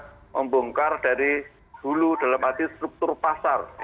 untuk mengungkar dari hulu dalam arti struktur pasar